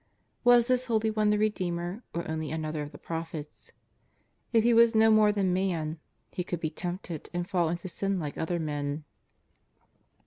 Was this holy One the Redeemer, or only another of the prophets ? If he was no more than man. He could be tempted and fall into sin like other men.